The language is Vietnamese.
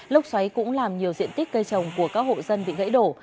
lốc xoáy cũng làm nhiều diện tích cây trồng của các hộ dân bị gãy đổ